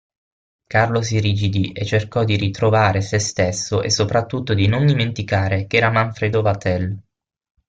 Carlo s'irrigidì e cercò di ritrovare sé stesso e soprattutto di non dimenticare che era Manfredo Vatel.